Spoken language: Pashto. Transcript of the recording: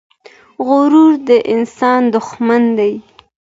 غرور د انسان دښمن دی.